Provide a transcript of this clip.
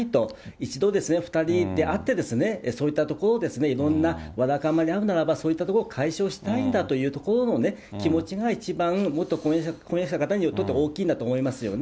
一度、２人で会って、そういったところを、わだかまりあるならば、そういったところを解消したいんだというところの気持ちが一番元婚約者の方にとっては大きいんだと思いますよね。